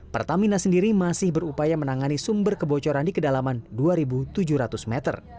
pertamina sendiri masih berupaya menangani sumber kebocoran di kedalaman dua tujuh ratus meter